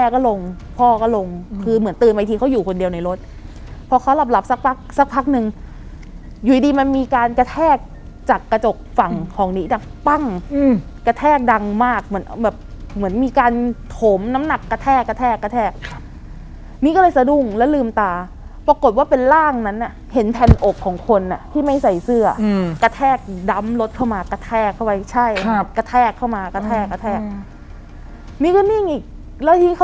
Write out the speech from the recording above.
ก็ลงคือเหมือนตื่นไปทีเขาอยู่คนเดียวในรถพอเขารับรับสักพักสักพักนึงอยู่ดีมันมีการกระแทกจากกระจกฝั่งของนี้ดังปั้งอืมกระแทกดังมากเหมือนแบบเหมือนมีการถมน้ำหนักกระแทกกระแทกนี้ก็เลยสะดุงแล้วลืมตาปรากฏว่าเป็นร่างนั้นอ่ะเห็นแผ่นอกของคนอ่ะที่ไม่ใส่เสื้ออืมกระแทกดำรถเข้ามากระแทกเข